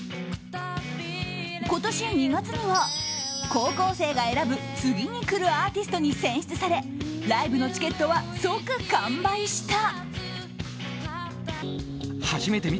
今年２月には高校生が選ぶ次に来るアーティストに選出されライブのチケットは即完売した。